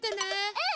うん！